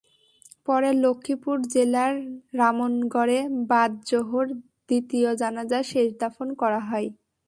পরে লক্ষ্মীপুর জেলার রামনগরে বাদ জোহর দ্বিতীয় জানাজা শেষে দাফন করা হয়।